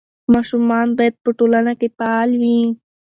ماشومان باید په ټولنه کې فعال وي.